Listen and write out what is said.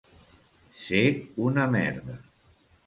Ser una merda.